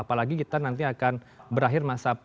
apalagi kita nanti akan berakhir masa